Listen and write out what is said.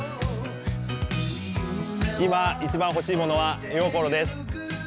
今、一番欲しいものは絵心です。